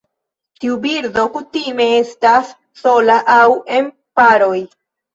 Tiu birdo kutime estas sola aŭ en paroj.